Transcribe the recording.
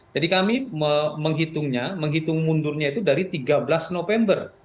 jadi kami menghitungnya menghitung mundurnya itu dari tiga belas november